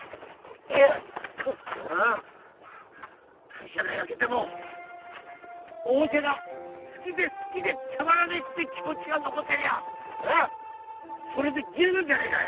会社が焼けてもおもちゃが好きで好きでたまらねえって気持ちが残ってりゃそれで十分じゃねえか！